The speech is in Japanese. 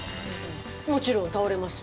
もちろん倒れますよ。